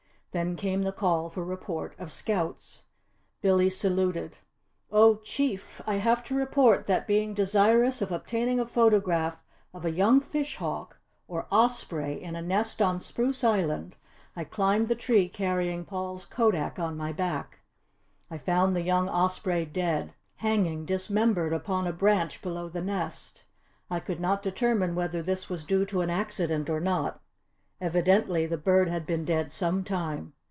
Then came the call for report of scouts. Billy saluted. "Oh Chief! I have to report that being desirous of obtaining a photograph of a young fish hawk, or osprey, in a nest on Spruce Island, I climbed the tree carrying Paul's kodak on my back. I found the young osprey dead, hanging dismembered upon a branch below the nest. I could not determine whether this was due to an accident or not. Evidently the bird had been dead some time.